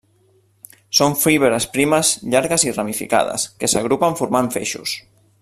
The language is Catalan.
Són fibres primes, llargues i ramificades, que s'agrupen formant feixos.